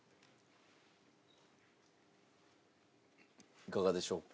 いかがでしょうか？